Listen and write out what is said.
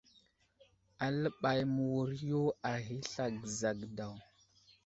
Aləɓay məwuro aghi asla gəza daw.